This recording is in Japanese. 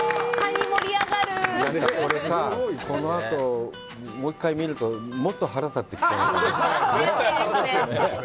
これさぁ、このあと、もう一回見るともっと腹立ってきちゃうよ。悔しい。